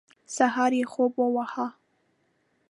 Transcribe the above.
سهار یې خوب وواهه.